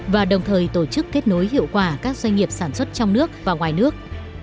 và đồng thời tổ chức kết nối hiệu quả các doanh nghiệp sản xuất trong nước và ngoài nước